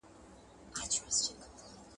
• ول بازار ته څه وړې، ول طالع.